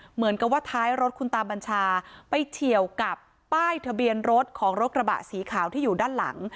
เหมือนกับว่าท้ายรถคุณตาบัญชาไปเฉียวกับป้ายทะเบียนรถของรถกระบะสีขาวที่อยู่ด้านหลัง